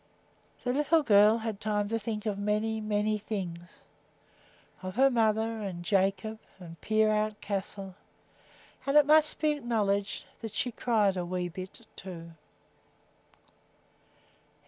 The little girl had time to think of many, many things, of her mother and Jacob and Peerout Castle; and it must be acknowledged that she cried a wee bit, too.